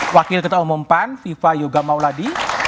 wakil ketua umum pan viva yoga mauladi